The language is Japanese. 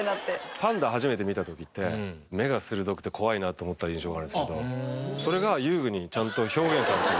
パンダ初めて見た時って目が鋭くて怖いなと思った印象があるんですけどそれが遊具にちゃんと表現されている。